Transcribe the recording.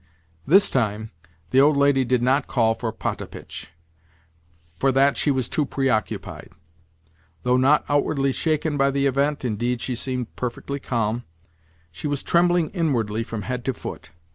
This time the old lady did not call for Potapitch; for that she was too preoccupied. Though not outwardly shaken by the event (indeed, she seemed perfectly calm), she was trembling inwardly from head to foot.